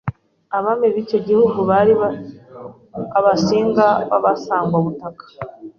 Abami b'icyo gihugu bari Abasinga b'Abasangwabutaka